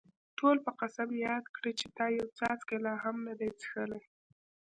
ټول به قسم یاد کړي چې تا یو څاڅکی لا هم نه دی څښلی.